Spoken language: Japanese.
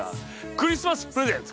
クリスマスプレゼント！